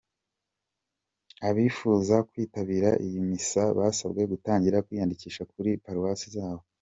Abifuza kwitabira iyi misa basabwe gutangira kwiyandikisha kuri paruwasi zabo.